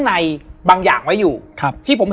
แล้วสักครั้งหนึ่งเขารู้สึกอึดอัดที่หน้าอก